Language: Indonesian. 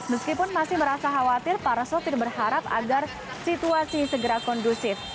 meskipun masih merasa khawatir para sopir berharap agar situasi segera kondusif